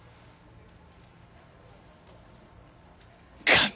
神！